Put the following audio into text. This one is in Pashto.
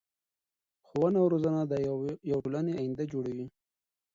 ښوونه او روزنه د يو ټولنی اينده جوړوي .